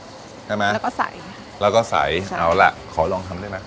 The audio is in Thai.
ใช่ไหมแล้วก็ใส่แล้วก็ใส่เอาล่ะขอลองทำได้ไหม